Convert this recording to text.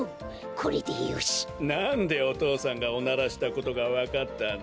なんでお父さんがおならしたことがわかったんだ？